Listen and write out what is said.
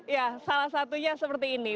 ya salah satunya seperti ini